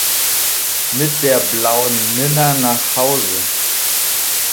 Mit der blauen Minna nach Hause!